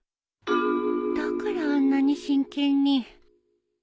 だからあんなに真剣に